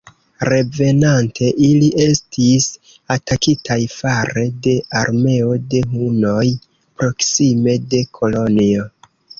Revenante ili estis atakitaj fare de armeo de Hunoj proksime de Kolonjo.